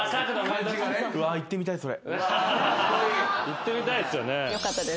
言ってみたいっすよね。